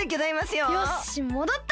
よしもどった！